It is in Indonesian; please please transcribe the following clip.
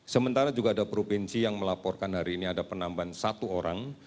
sementara juga ada provinsi yang melaporkan hari ini ada penambahan satu orang